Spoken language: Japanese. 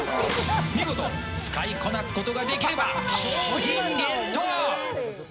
見事使いこなすことができれば商品ゲット！